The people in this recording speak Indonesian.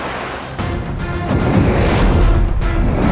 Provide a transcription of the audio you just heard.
jauh jangan gelap ya